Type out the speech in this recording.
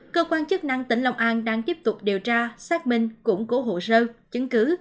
cơ quan chức năng tỉnh long an đang tiếp tục điều tra xác minh củng cố hồ sơ chứng cứ